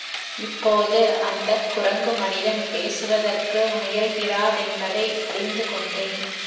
இப்போது அந்தக் குரங்கு மனிதன் பேசுவதற்கு முயல்கிறாதென்பதை அறிந்து கொண்டேன்.